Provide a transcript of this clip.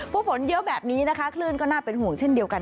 เพราะฝนเยอะแบบนี้นะคะคลื่นก็น่าเป็นห่วงเช่นเดียวกัน